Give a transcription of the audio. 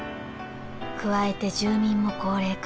［加えて住民も高齢化］